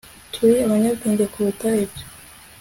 turi abanyabwenge kuruta ibyo